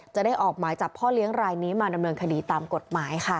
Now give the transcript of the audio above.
จะได้ออกหมายจับพ่อเลี้ยงรายนี้มาดำเนินคดีตามกฎหมายค่ะ